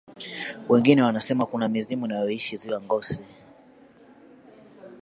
wengine wanasema kuna mizimu inayoishi ziwa ngosi